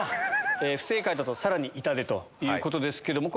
不正解だとさらに痛手ということですけども。